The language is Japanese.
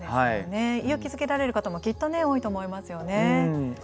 勇気づけられる方もきっと多いと思いますよね。